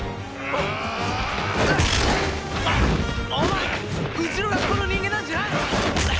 お前うちの学校の人間なんじゃないのか？